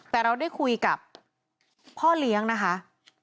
แต่เราได้คุยกับพ่อเลี้ยงนะคะ